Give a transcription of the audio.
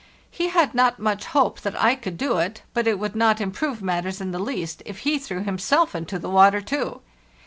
He had not much hope that I could do it, but it would not improve matters in the least if he threw himself into the water too.